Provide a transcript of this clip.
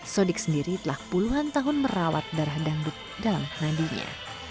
sodik sendiri telah puluhan tahun merawat darah dangdut dalam nadinya